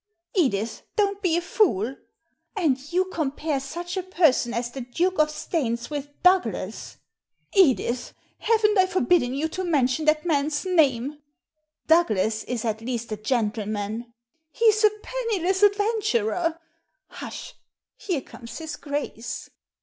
"Edith, don't be a fool!" " And you compare such a person as the Duke of Staines with Douglas ?"" Edith, haven't I forbidden you to mention that man's name ?"" Douglas is at least a gentleman." " He is a penniless adventurer. Hush ! here comes his Grace."